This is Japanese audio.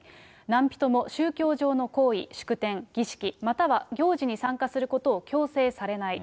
何人も宗教上の行為、祝典、儀式、または行事に参加することを強制されない。